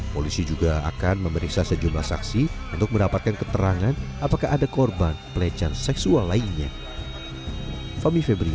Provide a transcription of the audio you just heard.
polisi juga akan memeriksa sejumlah saksi untuk mendapatkan keterangan apakah ada korban pelecehan seksual lainnya